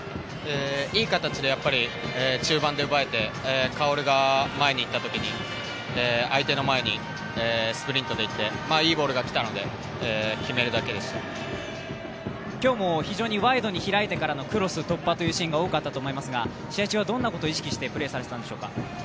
いい形で中盤で呼ばれて薫が前にいったときに、相手の前にスプリントで行っていいボールが来たので非常にワイドに開いてからクロス突破というシーンが多かったと思いますが試合中はどんなことを意識してプレーされていたんでしょうか。